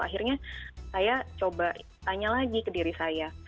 akhirnya saya coba tanya lagi ke diri saya